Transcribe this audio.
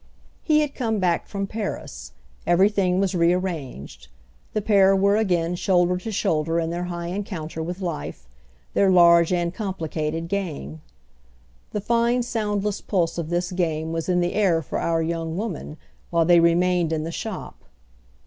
He had come back from Paris; everything was re arranged; the pair were again shoulder to shoulder in their high encounter with life, their large and complicated game. The fine soundless pulse of this game was in the air for our young woman while they remained in the shop.